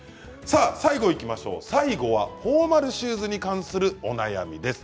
最後はフォーマルシューズに関する、お悩みです。